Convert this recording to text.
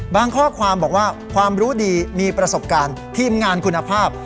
ข้อความบอกว่าความรู้ดีมีประสบการณ์ทีมงานคุณภาพ